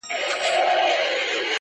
همېشه ګرځي په ډلو پر مردارو-